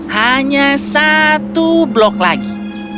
hanya satu blok lagi